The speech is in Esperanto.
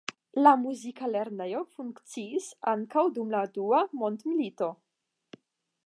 La muzika lernejo funkciis ankaŭ dum la dua mondmilito.